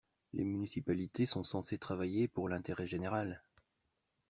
Les municipalités sont censées travailler pour l’intérêt général.